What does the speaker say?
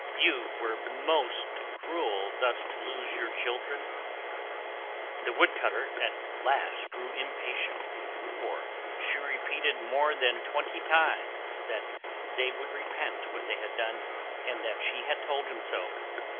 You were most cruel thus to lose your children." The Wood cutter at last grew impatient, for she repeated more than twenty times that they would repent what they had done, and that she had told him so.